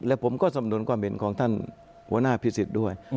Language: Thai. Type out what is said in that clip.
และผมก็สำนวนความเห็นของท่านหัวหน้าพิสิทธิ์ด้วย